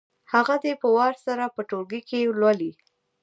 هغه دې په وار سره په ټولګي کې ولولي.